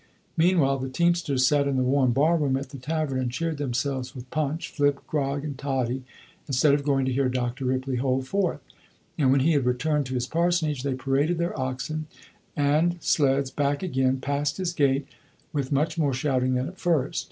Meanwhile, the teamsters sat in the warm bar room at the tavern, and cheered themselves with punch, flip, grog, and toddy, instead of going to hear Dr. Ripley hold forth; and when he had returned to his parsonage they paraded their oxen and sleds back again, past his gate, with much more shouting than at first.